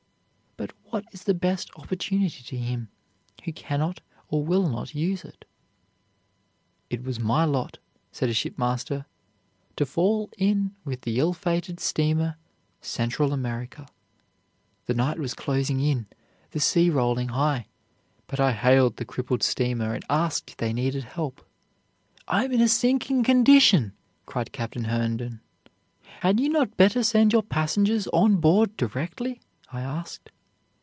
But what is the best opportunity to him who cannot or will not use it? "It was my lot," said a shipmaster, "to fall in with the ill fated steamer Central America. The night was closing in, the sea rolling high; but I hailed the crippled steamer and asked if they needed help. 'I am in a sinking condition,' cried Captain Herndon. 'Had you not better send your passengers on board directly?' I asked.